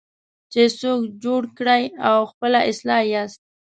چې څوک جوړ کړئ او خپله اصلاح یاست.